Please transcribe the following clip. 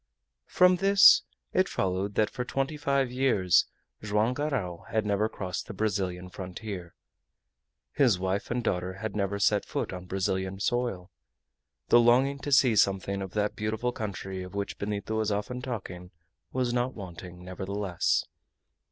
From this it followed that for twenty five years Joam Garral had never crossed the Brazilian frontier, his wife and daughter had never set foot on Brazilian soil. The longing to see something of that beautiful country of which Benito was often talking was not wanting, nevertheless.